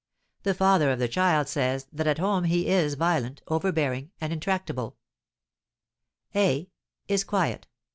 The father of the child says that at home he is violent, overbearing, and intractable. A: is quiet.